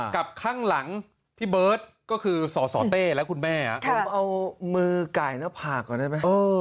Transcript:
กับข้างหลังพี่เบิร์ตก็คือสอสอเต้และคุณแม่อ่ะค่ะเอามือไก่เนื้อผากก่อนได้ไหมเออ